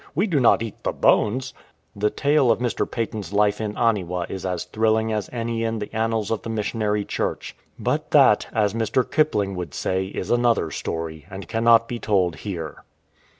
We do not eat the bones !"^ The tale of Mr. Paton's life in Aniwa is as thrilling as any in the annals of the Missionary Church. But that, as Mr. Kipling would say, is another story, and cannot be told here.